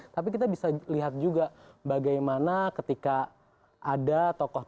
tapi kita bisa lihat juga bagaimana ketika ada tokoh tokoh